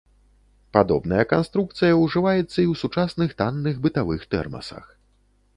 Падобная канструкцыя ўжываецца і ў сучасных танных бытавых тэрмасах.